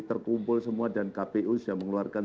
terkumpul semua dan kpu sudah mengeluarkan